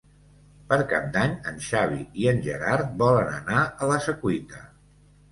Per Cap d'Any en Xavi i en Gerard volen anar a la Secuita.